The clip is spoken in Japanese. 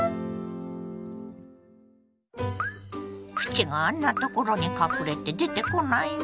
プチがあんなところに隠れて出てこないわ。